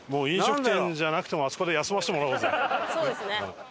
そうですね。